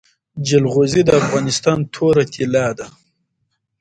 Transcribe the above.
جلغوزي د افغانستان توره طلا ده